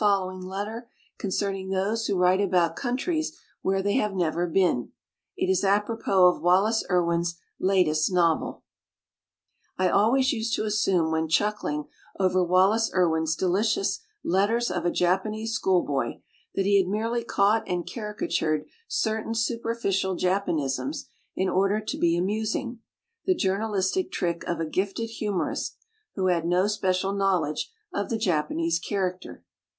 lowing letter concerning those who write about countries where they have never been. It is apropos of Wallace Irwin's latest novel : I always used to assume when chuckling over Wallace Irwin's delicious "Letters of a Japanese Schoolboy" that he had merely caught and caricatured certain superficial Jap anisms in order to be amusing, the Journalistic trick of a gifted humorist who had no special knowledge of the Japanese character.